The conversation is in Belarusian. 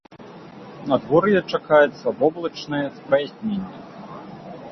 Надвор'е чакаецца воблачнае з праясненнямі.